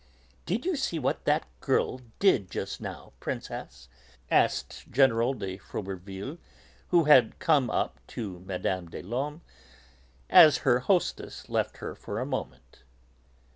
"Did you see what that girl did just now, Princess?" asked General de Froberville, who had come up to Mme. des Laumes as her hostess left her for a moment.